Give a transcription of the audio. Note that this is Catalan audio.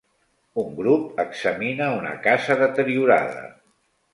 Un grup examina una casa deteriorada.